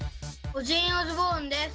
オジンオズボーンです。